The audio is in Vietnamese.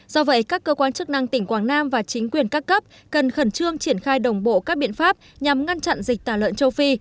do vậy các cơ quan chức năng tỉnh quảng nam và chính quyền các cấp cần khẩn trương triển khai đồng bộ các biện pháp nhằm ngăn chặn dịch tả lợn châu phi